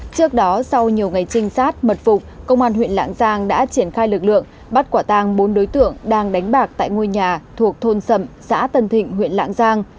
trước đó sau nhiều ngày trinh sát mật phục công an huyện lạng giang đã triển khai lực lượng bắt quả tàng bốn đối tượng đang đánh bạc tại ngôi nhà thuộc thôn sậm xã tân thịnh huyện lạng giang